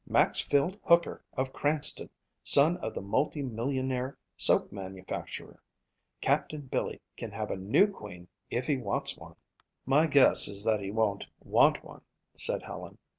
"Maxfield Hooker of Cranston, son of the multi millionaire soap manufacturer. Captain Billy can have a new Queen if he wants one." "My guess is that he won't want one," said Helen.